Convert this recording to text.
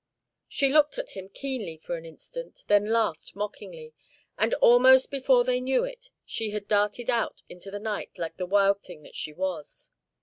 She looked at him keenly for an instant, then laughed mockingly, and almost before they knew it, she had darted out into the night like the wild thing that she was.